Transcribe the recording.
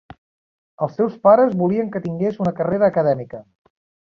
Els seus pares volien que tingués una carrera acadèmica.